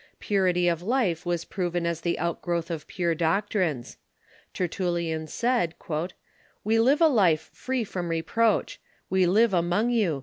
Purity of life was proven as the outgrowth of pure doctrines. Tertullian said: " We live a life free from reproach. We live among you.